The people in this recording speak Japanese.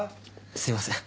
すいません。